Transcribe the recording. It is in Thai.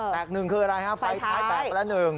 แตกหนึ่งคืออะไรฟ้ายท้ายแตกมาละหนึ่ง